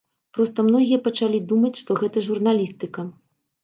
Проста многія пачалі думаць, што гэта журналістыка.